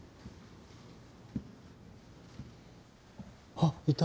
あっいた。